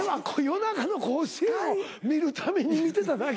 夜中の甲子園を見るために見てただけや。